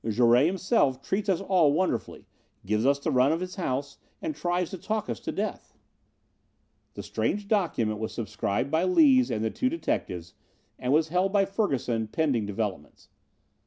"Jouret himself treats us all wonderfully, gives us the run of the house, and tries to talk us to death." The strange document was subscribed by Lees and the two detectives and was held by Ferguson pending developments.